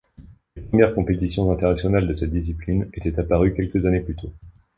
Les premières compétitions internationales de cette discipline étaient apparues quelques années plus tôt.